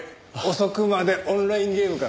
遅くまでオンラインゲームか？